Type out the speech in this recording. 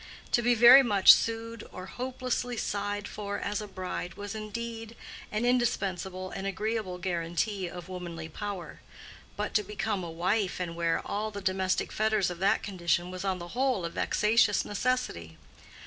To be very much sued or hopelessly sighed for as a bride was indeed an indispensable and agreeable guarantee of womanly power; but to become a wife and wear all the domestic fetters of that condition, was on the whole a vexatious necessity.